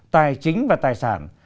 tài chính và tài sản